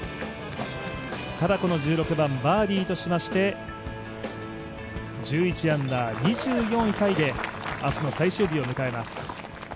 ただこの１６番、バーディーとしまして１１アンダー２４位タイで明日の最終日を迎えます。